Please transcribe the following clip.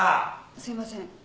・すいません。